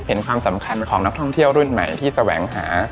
เห็นความสำคัญของนักท่องเที่ยวรุ่นใหม่ที่แสวงหา